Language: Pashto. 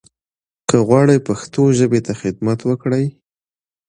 که غواړٸ پښتو ژبې ته خدمت وکړٸ